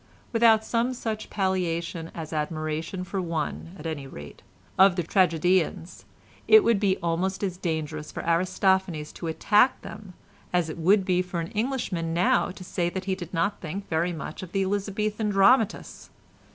Without some such palliation as admiration for one, at any rate, of the tragedians, it would be almost as dangerous for Aristophanes to attack them as it would be for an Englishman now to say that he did not think very much of the Elizabethan dramatists.